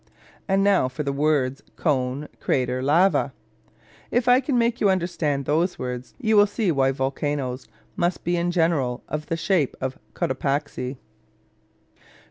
And now for the words cone, crater, lava. If I can make you understand those words, you will see why volcanos must be in general of the shape of Cotopaxi.